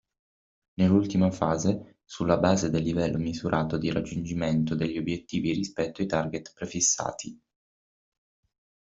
Nell'ultima fase, sulla base del livello misurato di raggiungimento degli obiettivi rispetto ai target prefissati.